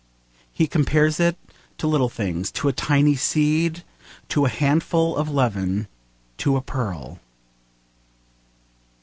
He compares it to little things, to a tiny seed, to a handful of leaven, to a pearl.